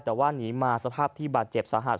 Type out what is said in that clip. แต่ว่าหนีมาสภาพที่บาดเจ็บสาหัส